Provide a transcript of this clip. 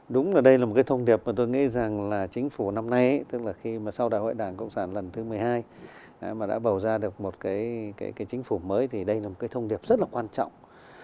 đúng là đây là một cái thông điệp mà tôi nghĩ rằng là chính phủ năm nay tức là khi mà sau đại hội đảng cộng sản lần thứ một mươi hai mà đã bầu ra được một cái chính phủ mới thì đây là một cái thông điệp rất là quan trọng